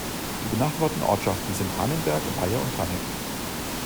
Die benachbarten Ortschaften sind Hahnenberg, Weyer und Tanne.